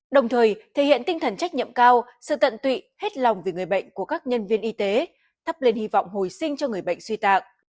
đồng thời thể hiện tinh thần trách nhiệm cao sự tận tụy hết lòng vì người bệnh của các nhân viên y tế thắp lên hy vọng hồi sinh cho người bệnh suy tạng